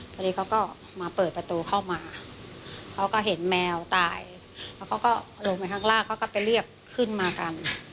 พอดีเขาก็มาเปิดประตูเข้ามาเขาก็เห็นแมวตายแล้วเขาก็ลงไปข้างล่างเขาก็ไปเรียกขึ้นมากัน